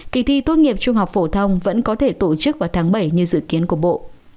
kỳ thi tốt nghiệp trung học phổ thông vẫn có thể tổ chức vào tháng bảy như dự kiến của bộ